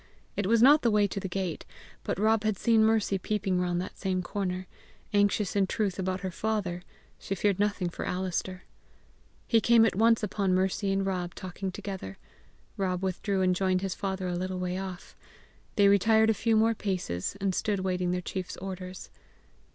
It was not the way to the gate, but Rob had seen Mercy peeping round that same corner anxious in truth about her father; she feared nothing for Alister. He came at once upon Mercy and Rob talking together. Rob withdrew and joined his father a little way off; they retired a few more paces, and stood waiting their chief's orders.